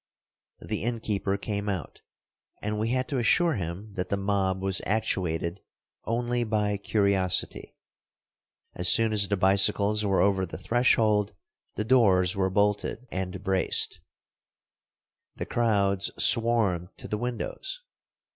The inn keeper came out, and we had to assure him that the mob was actuated only by curiosity. As soon as the bicycles were over the threshold, the doors were bolted and braced. The crowds swarmed to the windows.